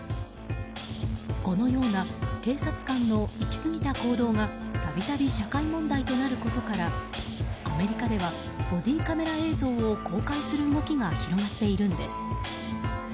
このような警察官のいき過ぎた行動がたびたび社会問題となることからアメリカではボディーカメラ映像を公開する動きが広がっているんです。